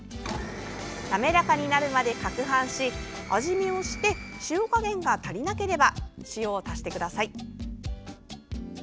滑らかになるまでかくはんし、味見をして塩加減が足りなければ塩を足してください。